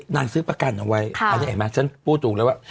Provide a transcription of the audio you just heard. นางซื้อประกันเอาไว้